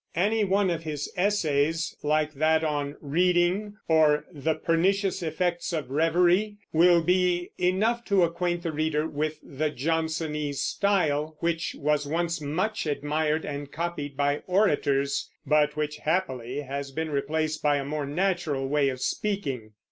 Any one of his Essays, like that on "Reading," or "The Pernicious Effects of Revery," will be enough to acquaint the reader with the Johnsonese style, which was once much admired and copied by orators, but which happily has been replaced by a more natural way of speaking.